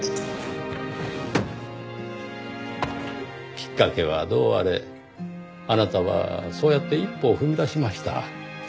きっかけはどうあれあなたはそうやって一歩を踏み出しました。